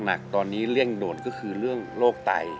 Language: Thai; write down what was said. หนักตอนนี้เร่งด่วนก็คือเรื่องโรคไต